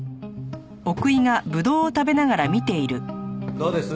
どうです？